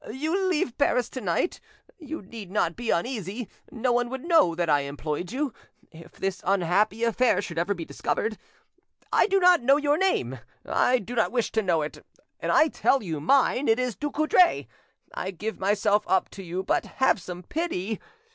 You leave Paris to night, you need not be uneasy; no one would know that I employed you, if this unhappy affair should ever be discovered. I do not know your name, I do not wish to know it, and I tell you mine, it is Ducoudray. I give myself up to you, but have some pity!